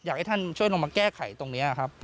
อยากให้ท่านช่วยลงมาแก้ไขตรงนี้ครับ